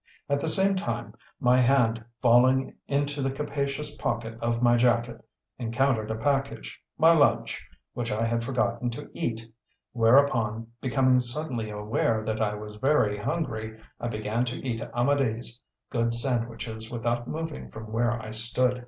At the same time, my hand, falling into the capacious pocket of my jacket, encountered a package, my lunch, which I had forgotten to eat, whereupon, becoming suddenly aware that I was very hungry, I began to eat Amedee's good sandwiches without moving from where I stood.